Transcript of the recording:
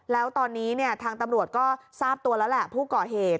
แล้วตอนนี้ทางตำรวจก็ทราบตัวแล้วแหละผู้ก่อเหตุ